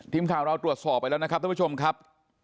ทีมข่าวเราตรวจสอบไปแล้วนะครับท่านผู้ชมครับ